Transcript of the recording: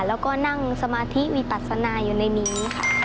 แล้วก็นั่งสมาธิวิปัสนาอยู่ในนี้ค่ะ